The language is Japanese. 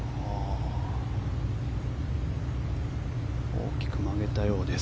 大きく曲げたようです。